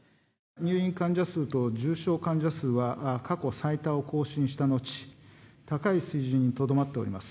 入院患者数と重症患者数は、過去最多を更新した後、高い水準にとどまっております。